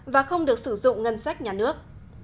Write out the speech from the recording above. và không được sử dụng ngân sách nhà nước